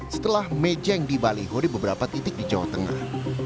setelah mejeng di baliho di beberapa titik di jawa tengah